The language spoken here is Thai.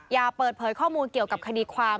อย่าเปิดเผยข้อมูลเกี่ยวกับคดีความ